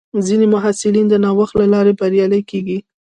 ځینې محصلین د نوښت له لارې بریالي کېږي.